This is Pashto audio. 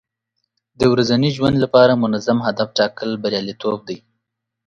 د ورځني ژوند لپاره منظم هدف ټاکل بریالیتوب دی.